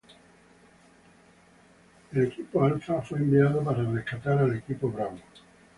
El equipo Alpha fue enviado para rescatar al equipo Bravo.